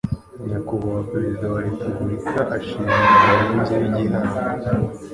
nyakubahwa perezida wa repubulika ashimira abarinzi b igihango